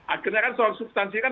akhirnya kan soal substansi kan